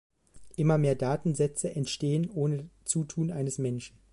Immer mehr Datensätze entstehen ohne Zutun eines Menschen.